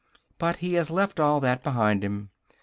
But he has left all that behind him.